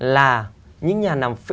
là những nhà làm